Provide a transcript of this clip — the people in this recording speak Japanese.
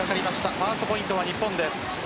ファーストポイント、日本です。